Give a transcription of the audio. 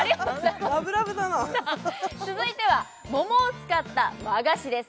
ラブラブだな続いては桃を使った和菓子です